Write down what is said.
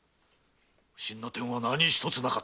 不審な点は何ひとつなかった。